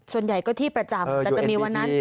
ส่วนใหญ่ก็ที่ประจำแต่จะมีวันนั้น